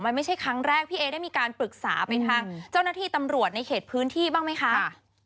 มันไม่ใช่ครั้งแรกพี่เอได้มีการปรึกษาไปทางเจ้าหน้าที่ตำรวจในเขตพื้นที่บ้างไหมคะ